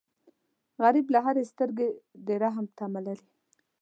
غریب له هرې سترګې د رحم تمه لري